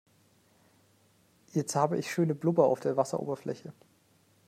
Jetzt habe ich schöne Blubber auf der Wasseroberfläche.